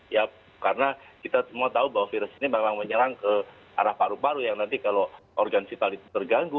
ya karena kita semua tahu bahwa virus ini memang menyerang ke arah paru paru yang nanti kalau organ vital itu terganggu